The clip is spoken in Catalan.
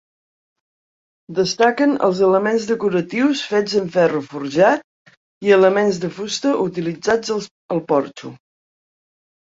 Destaquen els elements decoratius fets amb ferro forjat i elements de fusta utilitzats al porxo.